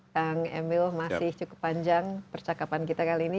kang emil masih cukup panjang percakapan kita kali ini